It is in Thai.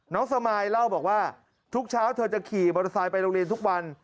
สมายเล่าบอกว่าทุกเช้าเธอจะขี่มอเตอร์ไซค์ไปโรงเรียนทุกวัน